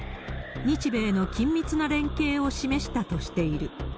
日米の緊密な連携を示したとしている。